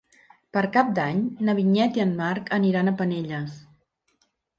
Per Cap d'Any na Vinyet i en Marc aniran a Penelles.